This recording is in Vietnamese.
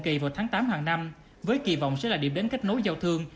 kỳ vào tháng tám hàng năm với kỳ vọng sẽ là điểm đến kết nối giao thương